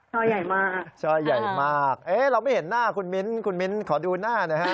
ใหญ่มากช่อใหญ่มากเอ๊ะเราไม่เห็นหน้าคุณมิ้นคุณมิ้นขอดูหน้านะฮะ